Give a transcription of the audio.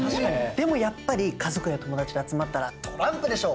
でもやっぱり家族や友達で集まったらトランプでしょ。